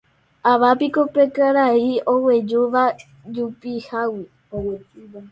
Mávapiko pe karai oguejýva jupihágui.